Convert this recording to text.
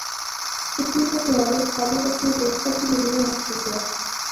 چُھٹی نے تہاڑے خالد اپنے دوستا کی ملنے آسطے گیا